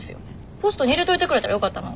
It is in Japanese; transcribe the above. ポストに入れといてくれたらよかったのに。